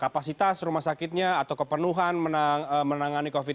kapasitas rumah sakitnya atau kepenuhan menangani covid sembilan belas